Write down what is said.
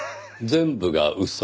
全部が嘘。